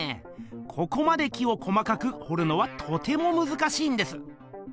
ここまで木を細かくほるのはとてもむずかしいんです。